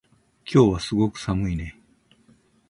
今日はすごく寒いね